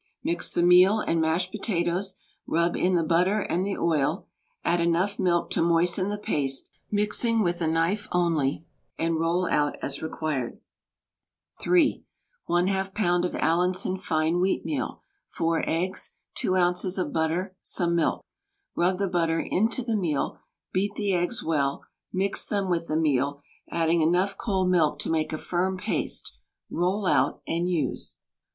Mix the meal and mashed potatoes, rub in the butter and the oil, add enough milk to moisten the paste, mixing with a knife only, and roll out as required. (3) 1/2 lb. of Allinson fine wheatmeal, 4 eggs, 2 oz. of butter, some milk. Rub the butter into the meal, beat the eggs well, mix them with the meal, adding enough cold milk to make a firm paste, roll out and use.